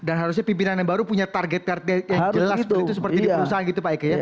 dan harusnya pimpinan yang baru punya target yang jelas seperti di perusahaan gitu pak ike